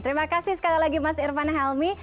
terima kasih sekali lagi mas irvan helmy